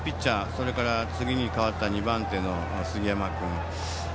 それから次に代わった２番手の杉山君。